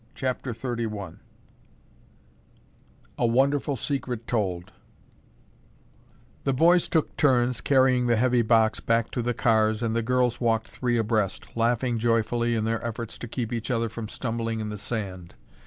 CHAPTER XXXI A WONDERFUL SECRET TOLD The boys took turns carrying the heavy box back to the cars and the girls walked three abreast, laughing joyfully in their efforts to keep each other from stumbling in the sand.